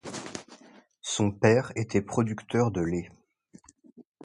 Son père était producteur de lait.